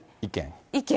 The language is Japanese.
意見？